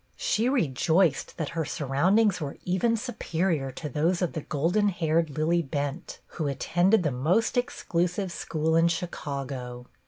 She rejoiced that her surround ings were even superior to those of the golden haired Lillie Bent, who attended the most exclusive school in Chicago.